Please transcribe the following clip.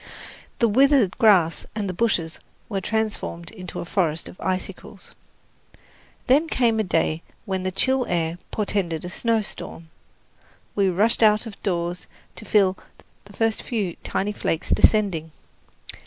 The withered grass and the bushes were transformed into a forest of icicles. Then came a day when the chill air portended a snowstorm. We rushed out of doors to feel the first few tiny flakes descending.